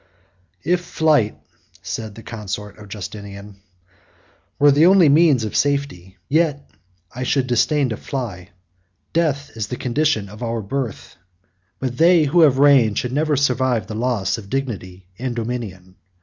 "If flight," said the consort of Justinian, "were the only means of safety, yet I should disdain to fly. Death is the condition of our birth; but they who have reigned should never survive the loss of dignity and dominion.